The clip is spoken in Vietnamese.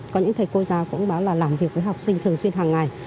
có những thể cô giáo cũng báo là làm việc với học sinh thường xuyên hàng ngày